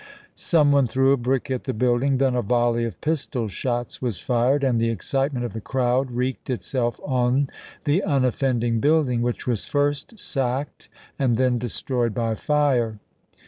Some one threw a brick at the building, then a volley of pistol shots was fired, and the excitement of the crowd wreaked itself on the unoffending building, which was first sacked, and then destroyed by fire.